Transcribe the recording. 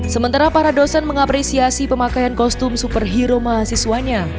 sementara para dosen mengapresiasi pemakaian kostum superhero mahasiswanya